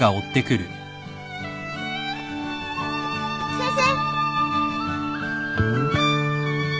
先生。